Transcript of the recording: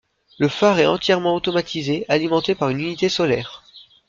Le phare est entièrement automatisé, alimenté par une unité solaire.